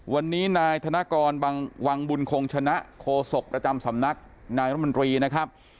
วันนี้นายธนกรวังบุญคงชนะโคศกประจำสำนักนายรัฐมนตรีนะครับ